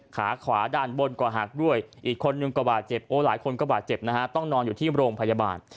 ขาขวาด้านบนก็หักด้วยอีกคนนึงก็บาดเจ็บโอ้หลายคนก็บาดเจ็บนะฮะต้องนอนอยู่ที่โรงพยาบาล